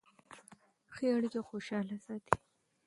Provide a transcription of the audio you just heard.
ښې اړیکې خوشحاله ساتي.